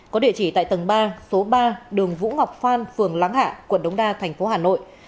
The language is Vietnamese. có địa chỉ tại tầng ba số ba đường vũ ngọc phan phường láng hạ quận đông đa tp hà nội